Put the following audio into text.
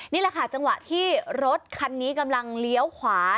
นี่แหละค่ะจังหวะที่รถคันนี้กำลังเลี้ยวขวา